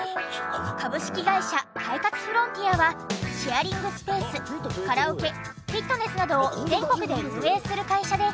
株式会社快活フロンティアはシェアリングスペースカラオケフィットネスなどを全国で運営する会社で。